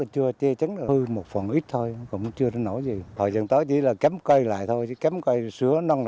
thuốc thì một tầng bùng một lòng